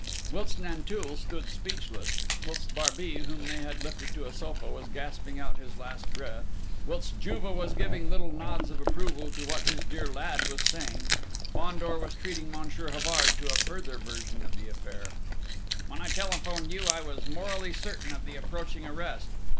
Whilst Nanteuil stood speechless, whilst Barbey, whom they had lifted to a sofa, was gasping out his last breath, whilst Juve was giving little nods of approval to what his dear lad was saying, Fandor was treating Monsieur Havard to a further version of the affair. "When I telephoned to you I was morally certain of the approaching arrest.